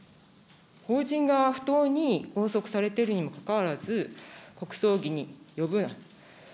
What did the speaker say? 邦人が不当に拘束されているにもかかわらず、国葬儀に呼ぶ。